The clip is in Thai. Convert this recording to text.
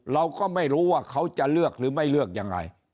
เราก็ไม่รู้ว่าเขาจะเลือกหรือไม่เลือกยังไง